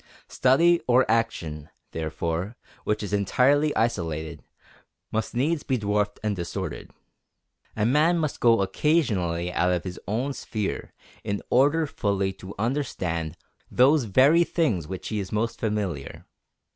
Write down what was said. Study or action, therefore, which is entirely isolated, must needs be dwarfed and distorted. A man must go occasionally out of his own sphere in order fully to understand those very things with which he is most familiar.